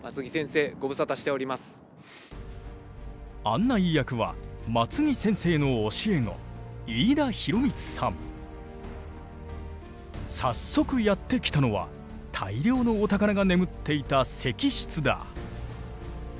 案内役は松木先生の教え子早速やって来たのは大量のお宝が眠っていた石室だ。